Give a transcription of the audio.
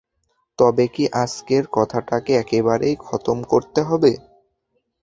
তবে কি আজকের কথাটাকে একেবারেই খতম করতে হবে।